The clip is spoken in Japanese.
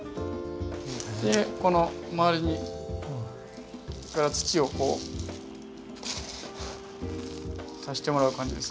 この周りに土をこう足してもらう感じです。